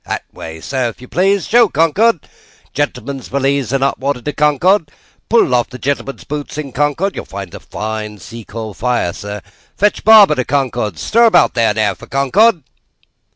That way, sir, if you please. Show Concord! Gentleman's valise and hot water to Concord. Pull off gentleman's boots in Concord. (You will find a fine sea coal fire, sir.) Fetch barber to Concord. Stir about there, now, for Concord!"